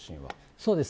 そうです。